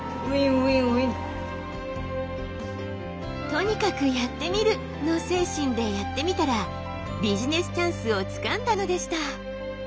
「とにかくやってみる」の精神でやってみたらビジネスチャンスをつかんだのでした。